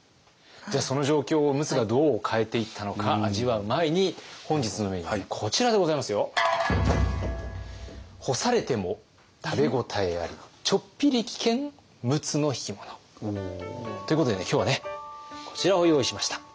その状況を陸奥がどう変えていったのか味わう前に本日のメニューこちらでございますよ。ということでね今日はねこちらを用意しました。